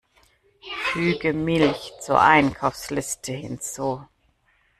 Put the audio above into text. Füge Milch zur Einkaufsliste hinzu!